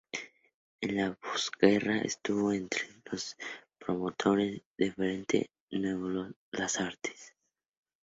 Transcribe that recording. En la posguerra estuvo entre los promotores del Frente nuevo de las artes.